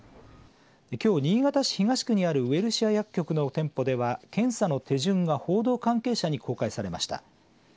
きょう新潟市東区にあるウエルシア薬局の店舗では検査の手順が報道関係者に公開されました。